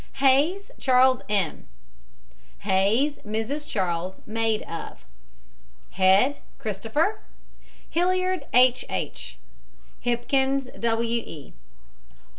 HAYS, CHARLES M. HAYS, MRS. CHARLES, maid of. HEAD, CHRISTOPHER. HILLIARD, H. H. HIPKINS, W. E.